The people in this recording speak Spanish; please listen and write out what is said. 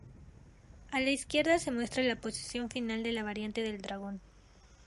A la izquierda se muestra la posición final de la Variante del dragón.